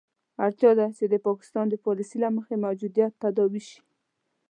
اړتیا ده چې د پاکستان د پالیسي له مخې موجودیت تداوي شي.